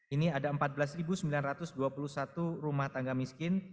ini ada empat belas sembilan ratus dua puluh satu rumah tangga miskin